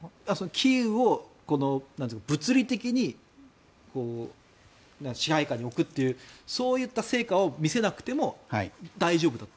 キーウを物理的に支配下に置くというそういった成果を見せなくても大丈夫だと。